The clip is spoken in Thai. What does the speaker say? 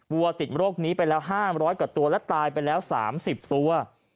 วัวติดโรคนี้ไปแล้ว๕๐๐กว่าตัวและตายไปแล้ว๓๐ตัว